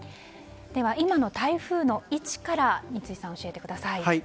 今の台風の位置から三井さん、教えてください。